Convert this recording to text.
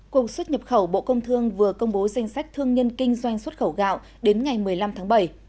cục xuất nhập khẩu bộ công thương vừa công bố danh sách thương nhân kinh doanh xuất khẩu gạo đến ngày một mươi năm tháng bảy